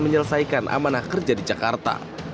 menyelesaikan amanah kerja di jakarta